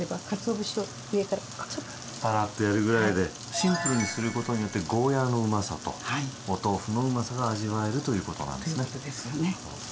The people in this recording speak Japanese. シンプルにすることによってゴーヤーのうまさとお豆腐のうまさが味わえるということなんですね。ということですね。